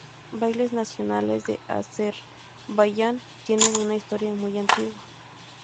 Bailes nacionales de Azerbaiyán tienen una historia muy antigua.